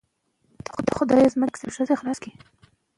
ایا د میرویس نیکه نوم به هېر شي؟